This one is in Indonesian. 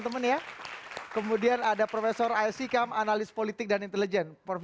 tetap di kupasuntas